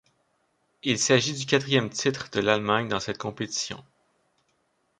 Il s'agit du quatrième titre de l'Allemagne dans cette compétition.